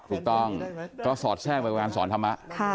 ถูกต้องก็สอดแช่งบริการสอนธรรมะ